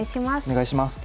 お願いします。